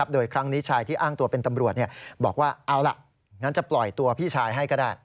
โดยครั้งนี้ชายที่อ้างตัวเป็นตำรวจบอกว่าเอาล่ะงั้นจะปล่อยตัวพี่ชายให้ก็ได้